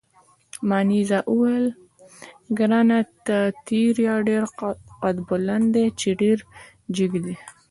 مانیرا وویل: ګراناتیریا ډېر قدبلند دي، چې ډېر جګ دي.